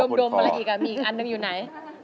อย่าโมมอะไรอีกอีกอันหนึ่งยังไหน